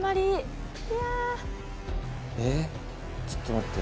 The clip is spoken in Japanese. えっちょっと待って。